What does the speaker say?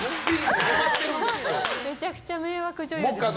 めちゃくちゃ迷惑女優じゃないですか。